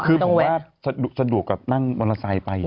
คือผมว่าสะดวกกับนั่งมอเตอร์ไซค์ไป